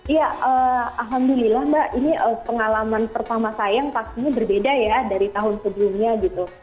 iya alhamdulillah mbak ini pengalaman pertama saya yang pastinya berbeda ya dari tahun sebelumnya gitu